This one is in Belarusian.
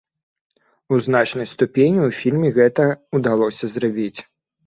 У значнай ступені ў фільме гэта ўдалося зрабіць.